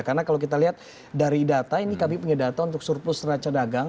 karena kalau kita lihat dari data ini kami punya data untuk surplus neraca dagang